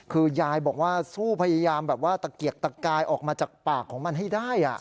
คือยายบอกว่าสู้พยายามแบบว่าตะเกียกตะกายออกมาจากปากของมันให้ได้